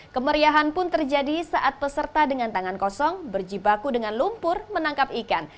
kemeriahan pun terjadi saat peserta dengan tangan kosong berjibaku dengan lumpur menangkap ikan